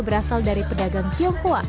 berasal dari pedagang tionghoa